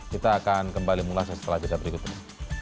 kita akan kembali mulasnya setelah cerita berikut ini